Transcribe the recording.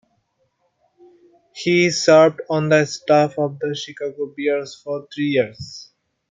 He served on the staff of the Chicago Bears for three years.